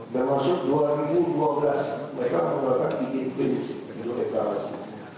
bermaksud dua ribu dua belas mereka memberikan izin prinsip untuk reklamasi